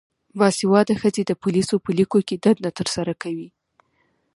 باسواده ښځې د پولیسو په لیکو کې دنده ترسره کوي.